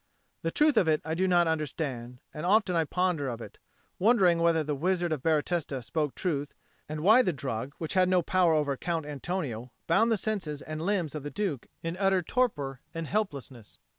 The truth of it I do not understand, and often I ponder of it, wondering whether the Wizard of Baratesta spoke truth, and why the drug which had no power over Count Antonio bound the senses and limbs of the Duke in utter torpor and helplessness.